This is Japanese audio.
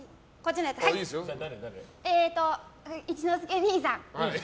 一之輔兄さん。